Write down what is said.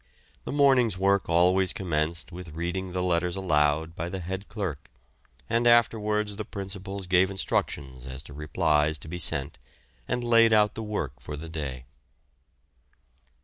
The morning's work always commenced with reading the letters aloud by the head clerk, and afterwards the principals gave instructions as to replies to be sent, and laid out the work for the day.